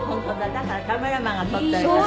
だからカメラマンが撮ってるから。